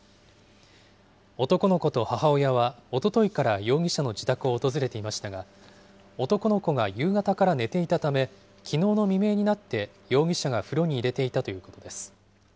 男の子と母親は、おとといから容疑者の自宅を訪れていましたが、男の子が夕方から寝ていたため、きのうの未明になって、容疑者が風呂に入れていたということです。